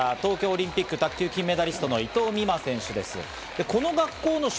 昨日、都内の小学校を訪れた東京オリンピック、卓球金メダリストの伊藤美誠選手です。